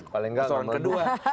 paling tidak nomor dua